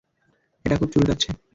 এটা খুব চুলকাচ্ছে।